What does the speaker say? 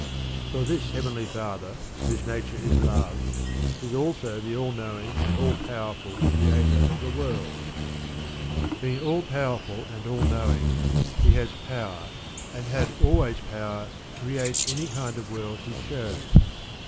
For this Heavenly Father, whose nature is Love, is also the All knowing and All powerful Creator of the world. Being All powerful and All knowing, He has power, and had always power, to create any kind of world He chose.